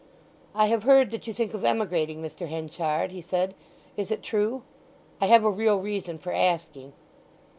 "I have heard that you think of emigrating, Mr. Henchard?" he said. "Is it true? I have a real reason for asking."